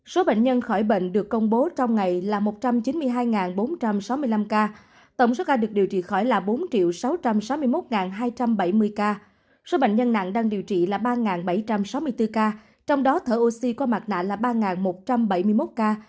số bệnh nhân khỏi bệnh được công bố trong ngày là một trăm chín mươi hai bốn trăm sáu mươi năm ca tổng số ca được điều trị khỏi là bốn sáu trăm sáu mươi một hai trăm bảy mươi ca số bệnh nhân nặng đang điều trị là ba bảy trăm sáu mươi bốn ca trong đó thở oxy qua mặt nạ là ba một trăm bảy mươi một ca